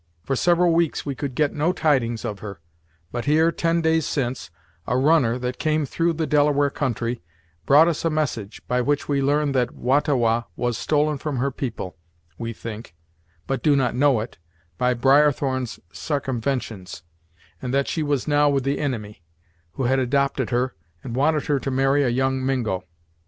For several weeks we could get no tidings of her; but here, ten days since, a runner, that came through the Delaware country, brought us a message, by which we learn that Wah ta Wah was stolen from her people, we think, but do not know it, by Briarthorn's sarcumventions, and that she was now with the inimy, who had adopted her, and wanted her to marry a young Mingo.